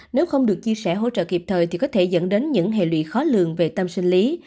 nếu không được chia sẻ hỗ trợ kịp thời thì có thể dẫn đến những hệ lụy khó lường về tâm sinh lý